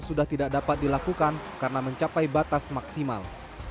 sudah tidak dapat dilakukan karena mencapai batas maksimal